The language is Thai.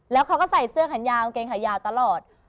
แล้วเขาก็ใส่เสื้อแขนยาวกางเกงขายาวตลอด